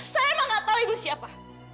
saya emang gak tahu ibu siapa